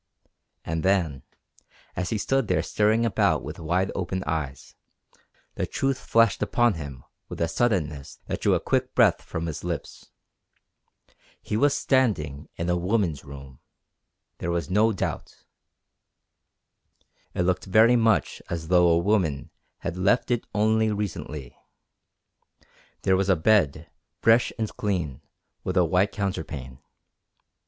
And then, as he stood there staring about with wide open eyes, the truth flashed upon him with a suddenness that drew a quick breath from his lips. He was standing in a woman's room! There was no doubt. It looked very much as though a woman had left it only recently. There was a bed, fresh and clean, with a white counterpane.